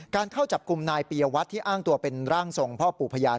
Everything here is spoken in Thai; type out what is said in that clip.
เข้าจับกลุ่มนายปียวัตรที่อ้างตัวเป็นร่างทรงพ่อปู่พยาน